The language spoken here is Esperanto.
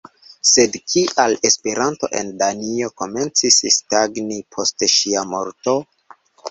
Sed kial Esperanto en Danio komencis stagni post ŝia morto?